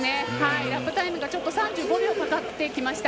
ラップタイムが３５秒かかってきました。